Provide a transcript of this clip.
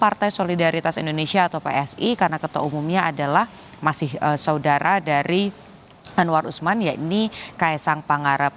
partai solidaritas indonesia atau psi karena ketua umumnya adalah masih saudara dari anwar usman yaitu kaisang pangarep